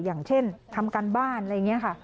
อย่างเช่นทำการบ้านอะไรอย่างนี้ค่ะ